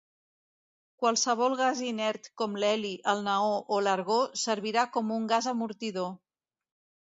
Qualsevol gas inert com l'heli, el neó, o l'argó servirà com un gas amortidor.